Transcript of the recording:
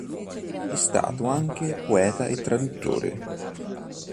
È stato anche poeta e traduttore.